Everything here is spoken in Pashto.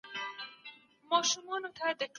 د دغي پېښي عبرت دا دی چي شکر هڅه غواړي.